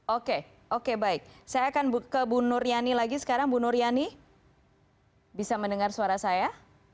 oke oke baik saya akan ke bu nur yani lagi sekarang bu nur yani bisa mendengar suara saya